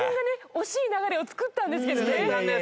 惜しい流れを作ったんですけどね。